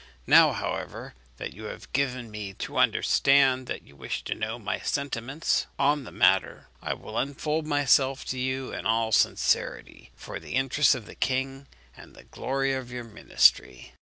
Now, however, that you have given me to understand that you wish to know my sentiments on the matter, I will unfold myself to you in all sincerity, for the interests of the king and the glory of your ministry.